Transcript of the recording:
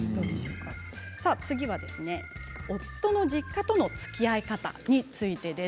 次は夫の実家とのつきあい方についてです。